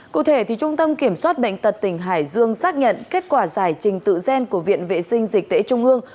cụ thể trung tâm kiểm soát bệnh tật tỉnh hải dương xác nhận kết quả giải trình tự gen của viện vệ sinh dịch tễ trung ương